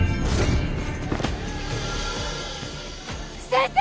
先生！